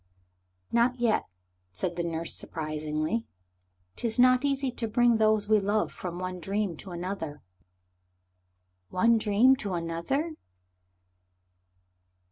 "Not yet," said the nurse surprisingly; "'tis not easy to bring those we love from one dream to another." "One dream to another?"